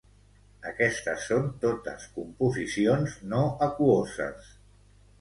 Aquestes són totes composicions no aquoses.